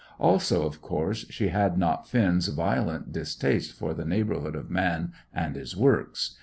Also, of course, she had not Finn's violent distaste for the neighbourhood of man and his works.